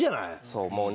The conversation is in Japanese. そう。